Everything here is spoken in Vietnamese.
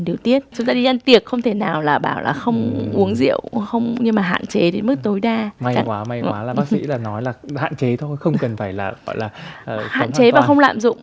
đầy đủ dinh dưỡng hơn